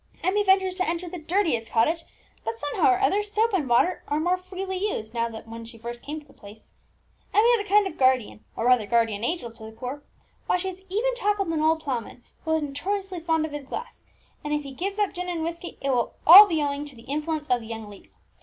Emmie ventures to enter the dirtiest cottage; but, somehow or other, soap and water are more freely used now than when she first came to the place. Emmie is a kind of guardian, or rather guardian angel, to the poor. Why, she has even tackled an old ploughman, who was notoriously fond of his glass; and if he gives up gin and whisky, it will be all owing to the influence of the young lady.